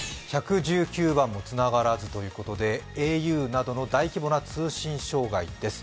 １１９番もつながらずということで、ａｕなどの大規模な通信障害です。